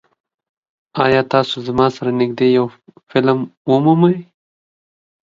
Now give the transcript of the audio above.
ایا تاسو زما سره نږدې یو فلم ومومئ؟